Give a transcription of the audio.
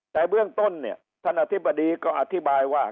แต่เบื้องต้นเนี่ยท่านอธิบดีก็อธิบายว่า